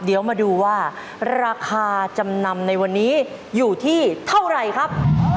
เดี๋ยวมาดูว่าราคาจำนำในวันนี้อยู่ที่เท่าไหร่ครับ